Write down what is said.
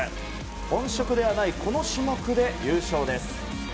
本職ではないこの種目で優勝です。